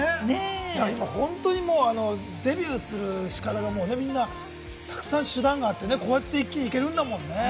今、本当にもうデビューする力がね、みんなたくさん手段があってね、こうやって一気に行けるんだもんね。